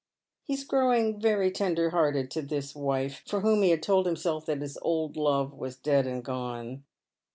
He is growing very tender hearted to this wife, for whom he had told himself that his old love was dead and gone.